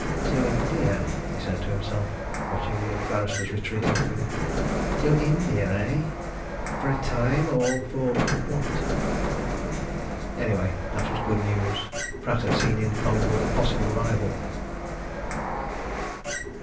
"To India!" he said to himself, watching the young barrister's retreating figure. "To India, eh? For a time or for what?" Anyway, that was good news, Pratt had seen in Collingwood a possible rival.